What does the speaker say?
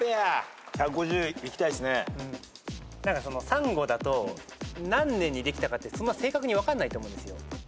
サンゴだと何年にできたかってそんな正確に分かんないと思うんですよ。